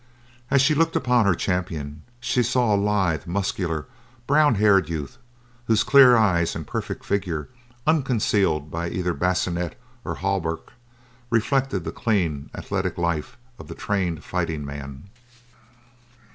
As she looked upon her champion, she saw a lithe, muscular, brown haired youth whose clear eyes and perfect figure, unconcealed by either bassinet or hauberk, reflected the clean, athletic life of the trained fighting man.